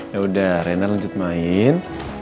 yaudah reina lanjut main